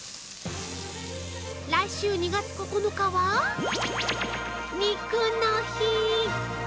来週２月９日は肉の日。